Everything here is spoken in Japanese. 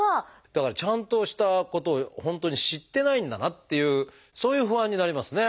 だからちゃんとしたことを本当に知ってないんだなっていうそういう不安になりますね。